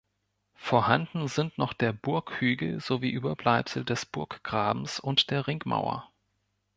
Vorhanden sind noch der Burghügel sowie Überbleibsel des Burggrabens und der Ringmauer.